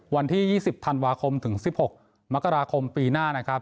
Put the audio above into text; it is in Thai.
วันที่๒๐ธันวาคมถึง๑๖มกราคมปีหน้านะครับ